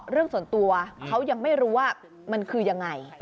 เรื่องส่วนตัวเขายังไม่รู้ว่ามันคือยังไง